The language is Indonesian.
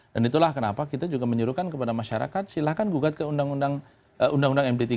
dan itulah kenapa kita juga menyuruhkan kepada masyarakat silahkan gugat ke undang undang mp tiga